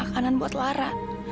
makanan buat lara